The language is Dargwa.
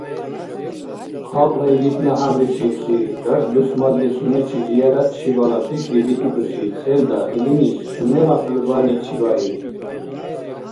Халкьла игитла хӀябличибси, даршдусмадли сунечи зияратчибала пикри битӀикӀуси цӀелда илини сунела хӀулбани чебаиб.